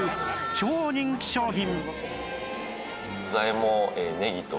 超人気商品